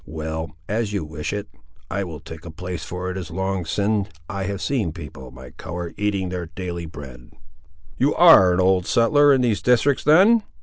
Well; as you wish it, I will take a place, for it is long sin' I have seen people of my colour, eating their daily bread." "You ar' an old settler, in these districts, then?"